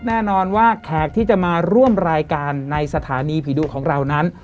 แน่นอนว่าแขกที่จะมาร่วมรายการในสถานีผีดุของเรานั้น